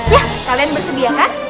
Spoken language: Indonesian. ya kalian bersedia kan